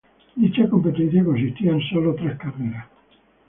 Dicha competencia consistía en sólo tres carreras.